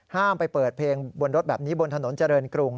ไปเปิดเพลงบนรถแบบนี้บนถนนเจริญกรุง